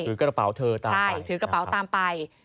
ถือกระเป๋าเธอตามไปนะครับค่ะใช่ถือกระเป๋าตามไป